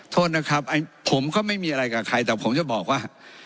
โทษนะครับผมก็ไม่มีอะไรกับใครแต่ผมจะบอกว่า